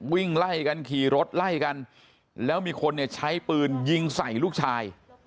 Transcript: วิ่งไล่กันขี่รถไล่กันแล้วมีคนเนี่ยใช้ปืนยิงใส่ลูกชาย